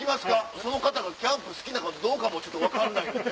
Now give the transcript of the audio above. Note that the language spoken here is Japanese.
その方がキャンプ好きかどうかも分かんないので。